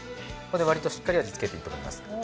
これでわりとしっかり味つけていいと思います。